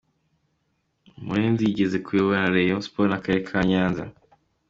Murenzi yigeze kuyobora Rayon sports n’akarere ka Nyanza.